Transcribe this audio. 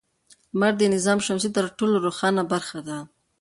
لمر د نظام شمسي تر ټولو روښانه برخه ده.